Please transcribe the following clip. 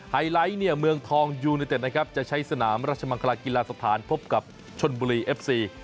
ไฮไลท์เนี่ยเมืองทองยูเนเต็ดนะครับจะใช้สนามราชมังคลากีฬาสถานพบกับชนบุรีเอฟซี